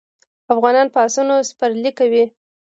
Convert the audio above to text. افغانان په اسونو سپرلي کوي.